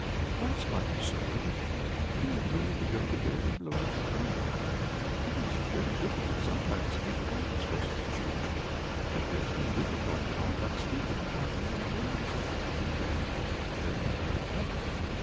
"That's quite absurd! You have merely to go to bed and blow out the candle. It is very difficult sometimes to keep awake, especially at church, but there is no difficulty at all about sleeping. Why, even babies know how to do that, and they are not very clever."